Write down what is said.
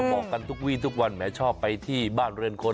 บอกกันทุกวีทุกวันแม้ชอบไปที่บ้านเรือนคน